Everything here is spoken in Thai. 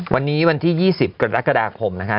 วันนี้วันที่๒๐กรกฎาคมนะคะ